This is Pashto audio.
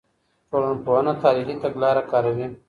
ټولنپوهنه تحلیلي تګلاره کاروي.